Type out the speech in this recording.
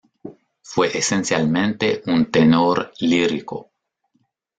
Fue esencialmente un tenor lírico.